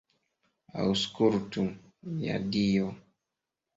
Aŭskultu, mia Dio.